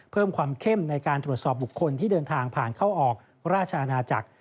เพิ่มความเข้มในการตรวจสอบบุคคลที่เดินทางผ่านเข้าออกราชอาณาจักร